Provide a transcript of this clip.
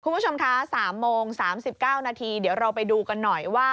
คุณผู้ชมคะ๓โมง๓๙นาทีเดี๋ยวเราไปดูกันหน่อยว่า